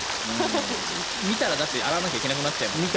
見たら、だって洗わないといけなくなっちゃいますよ。